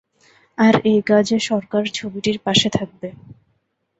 আর এ কাজে সরকার ছবিটির পাশে থাকবে।